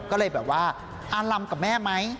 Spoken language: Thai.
ก็เลยแบบว่าอารำกับแม่ไหม